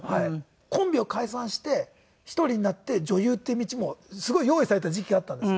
コンビを解散して一人になって女優っていう道もすごい用意されていた時期があったんです